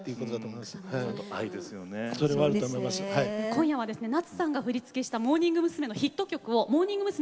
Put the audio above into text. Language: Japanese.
今夜は夏さんが振り付けしたモーニング娘。のヒット曲をモーニング娘。